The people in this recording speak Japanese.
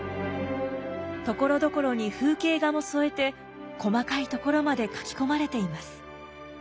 ところどころに風景画も添えて細かい所まで描き込まれています。